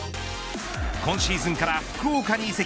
今シーズンから福岡に移籍。